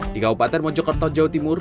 di kabupaten mojokerto jawa timur